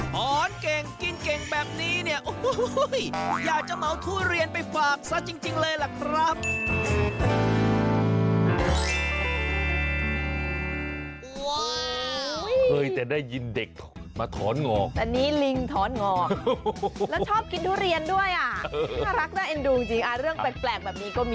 ถอนเก่งกินเก่งแบบนี้เนี่ยโอ้โหอยากจะเหมาทุเรียนไปฝากซะจริงเลยล่ะครับ